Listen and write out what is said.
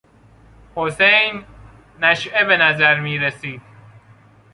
حسین نشئه به نظر میرسید.